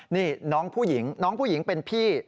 นี่น้องผู้หญิงน้องผู้หญิงเป็นพี่